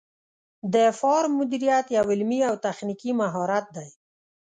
د فارم مدیریت یو علمي او تخنیکي مهارت دی.